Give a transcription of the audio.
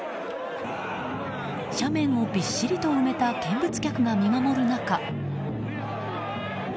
斜面をびっしりと埋めた見物客が見守る中。